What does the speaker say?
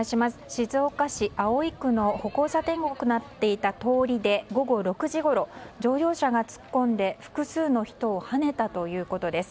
静岡市葵区の歩行者天国となっていた通りで午後６時ごろ乗用車が突っ込んで複数の人をはねたということです。